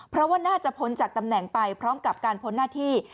เพราะว่าน่าจะพ้นจากตำแหน่งไปพร้อมกับการพ้นหน้าที่